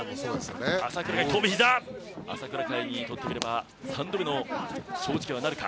朝倉海にとってみれば三度目の正直はなるか。